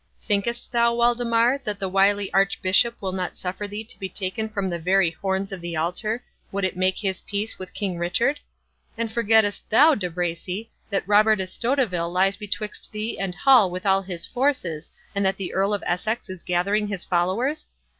Thinkest thou, Waldemar, that the wily Archbishop will not suffer thee to be taken from the very horns of the altar, would it make his peace with King Richard? And forgettest thou, De Bracy, that Robert Estoteville lies betwixt thee and Hull with all his forces, and that the Earl of Essex is gathering his followers?